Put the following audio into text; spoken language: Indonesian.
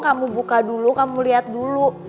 kamu buka dulu kamu lihat dulu